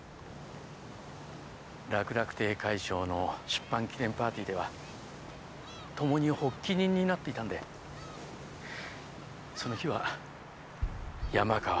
楽々亭快笑の出版記念パーティーではともに発起人になっていたんでその日は山川と会わざるをえなかった。